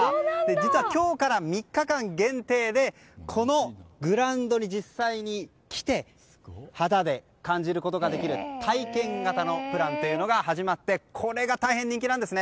実は今日から３日間限定でこのグラウンドに実際に来て肌で感じることができる体験型のプランというのが始まってこれが大変、人気です。